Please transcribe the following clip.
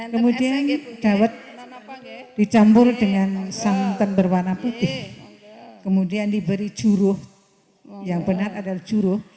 kemudian dawet dicampur dengan santan berwarna putih kemudian diberi juruh yang benar adalah juruh